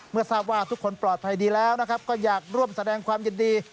เมื่อทราบว่าทุกคนปลอดภัยดีแล้วนะครับก็อยากร่วมแสดงความยินดี